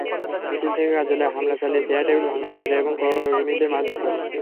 মিছিল থেকে কার্যালয়ে হামলা চালিয়ে চেয়ার-টেবিল ভাঙচুর এবং কর্মীদের মারধর করে।